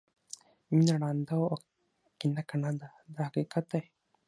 مینه ړانده او کینه کڼه ده دا حقیقت دی.